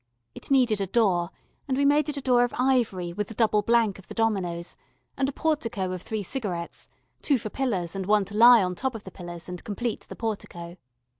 It needed a door, and we made it a door of ivory with the double blank of the dominoes, and a portico of three cigarettes two for pillars and one to lie on the top of the pillars and complete the portico.